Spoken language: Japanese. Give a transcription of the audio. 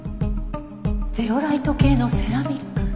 ゼオライト系のセラミック。